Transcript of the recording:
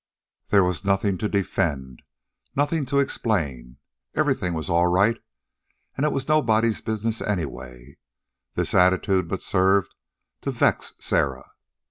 There was nothing to defend, nothing to explain. Everything was all right, and it was nobody's business anyway. This attitude but served to vex Sarah.